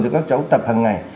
để cho các cháu tập hằng ngày